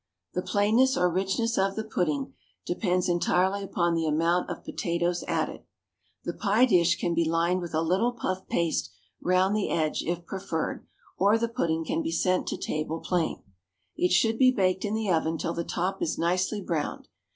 The plainness or richness of the pudding depends entirely upon the amount of potatoes added. The pie dish can be lined with a little puff paste round the edge, if preferred, or the pudding can be sent to table plain. It should be baked in the oven till the top is nicely browned.